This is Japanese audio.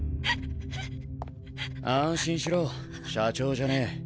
安心しろ社長じゃねえ。